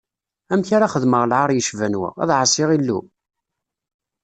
Amek ara xedmeɣ lɛaṛ yecban wa, ad ɛaṣiɣ Illu?